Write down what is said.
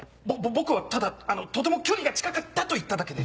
僕はただとても距離が近かったと言っただけで。